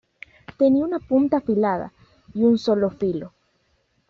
Tenía una punta afilada y un solo filo.